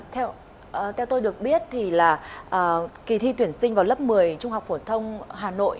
theo tôi được biết kỳ thi tuyển sinh vào lớp một mươi trung học phổ thông hà nội